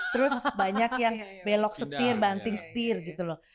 terus banyak yang belok sepir banting setir gitu loh